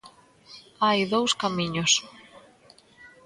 Hai dous camiños.